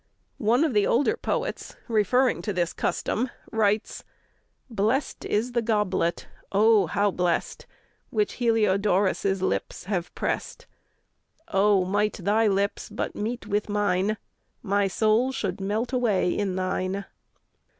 One of the older poets referring to this custom, writes: Blest is the goblet, oh! how blest, Which Heliodorus' lips have pressed! Oh, might thy lips but meet with mine, My soul should melt away in thine.